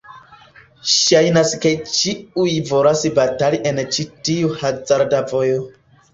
Ŝajnas ke ĉiuj volas batali en ĉi tiu hazarda vojo.